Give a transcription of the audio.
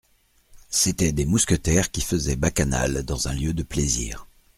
C'étaient des mousquetaires qui faisaient bacchanal dans un lieu de plaisir.